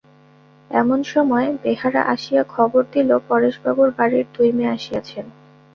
এমন সময় বেহারা আসিয়া খবর দিল, পরেশবাবুর বাড়ির দুই মেয়ে আসিয়াছেন।